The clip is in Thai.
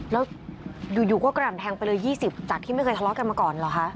แล้วอยู่ก็กระหน่ำแทงไปเลย๒๐จากที่ไม่เคยทะเลาะกันมาก่อนเหรอคะ